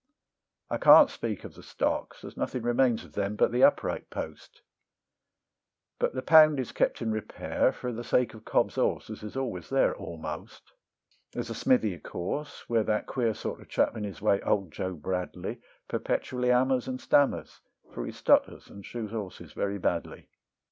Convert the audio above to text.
I can't speak of the stocks, as nothing remains of them but the upright post; But the pound is kept in repair for the sake of Cob's horse as is always there almost. There's a smithy of course, where that queer sort of a chap in his way, Old Joe Bradley, Perpetually hammers and stammers, for he stutters and shoes horses very badly.